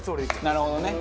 なるほどね。